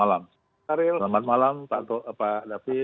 selamat malam pak david